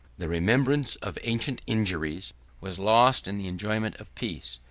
137 The remembrance of ancient injuries was lost in the enjoyment of peace.